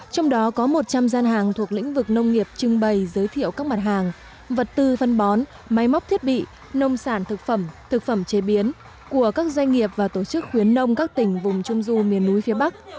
trong đó có một trăm linh gian hàng thuộc lĩnh vực nông nghiệp trưng bày giới thiệu các mặt hàng vật tư phân bón máy móc thiết bị nông sản thực phẩm thực phẩm chế biến của các doanh nghiệp và tổ chức khuyến nông các tỉnh vùng trung du miền núi phía bắc